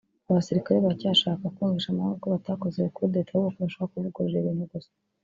Abasirikare baracyashaka kumvisha amahanga ko batakoze kudeta ahubwo ko bashaka kuvugurura ibintu gusa